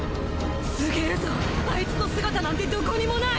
すげぇぞアイツの姿なんてどこにもない！